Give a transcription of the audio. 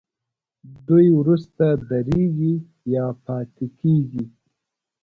دوی وروسته درېږي یا پاتې کیږي.